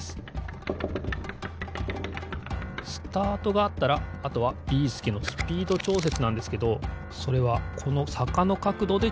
スタートがあったらあとはビーすけのスピードちょうせつなんですけどそれはこのさかのかくどでちょうせつしてます。